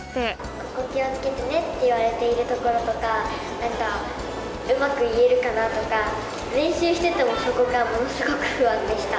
ここを気をつけてねって言われてるところとか、なんか、うまく言えるかなとか、練習してても、そこがものすごく不安でした。